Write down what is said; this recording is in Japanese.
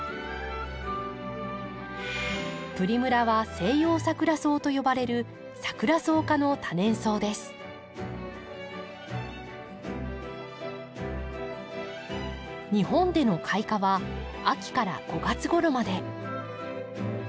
プリムラはセイヨウサクラソウと呼ばれる日本での開花は秋から５月ごろまで。